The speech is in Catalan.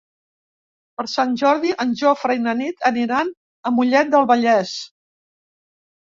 Per Sant Jordi en Jofre i na Nit aniran a Mollet del Vallès.